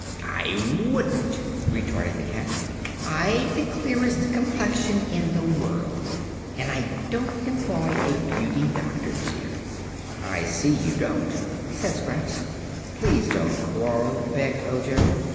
"I wouldn't!" retorted the cat. "I've the clearest complexion in the world, and I don't employ a beauty doctor, either." "I see you don't," said Scraps. "Please don't quarrel," begged Ojo.